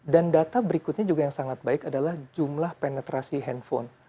dan data berikutnya juga yang sangat baik adalah jumlah penetrasi handphone